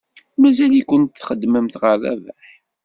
Mazal-ikent txeddmemt ɣer Rabaḥ?